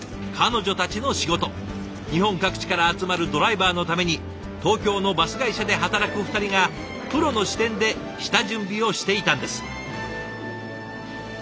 日本各地から集まるドライバーのために東京のバス会社で働く２人がプロの視点で下準備をしていたんです。